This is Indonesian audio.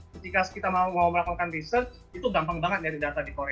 ketika kita mau melakukan riset itu gampang banget dari data di korea